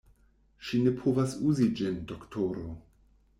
Ŝi ne povas uzi ĝin, doktoro.